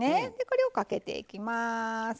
これをかけていきます。